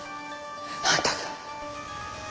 あんたが。